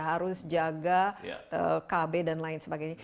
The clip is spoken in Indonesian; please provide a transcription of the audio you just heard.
harus jaga kb dan lain sebagainya